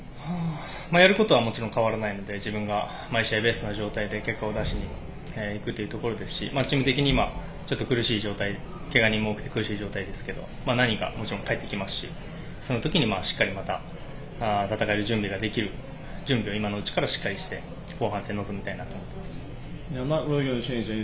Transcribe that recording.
やることはもちろん変わらないので自分が毎試合ベストな状態で結果を出していくというところですしチーム的には怪我人も多くて苦しい状態ですけど何人かもちろん帰ってきますしその時にしっかり戦える準備を今のうちからしっかりして後半戦に臨みたいと思っています。